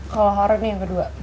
kalau horror nih yang kedua